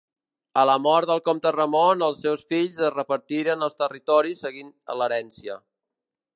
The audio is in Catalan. A la mort del comte Ramon els seus fills es repartiren els territoris seguint l'herència.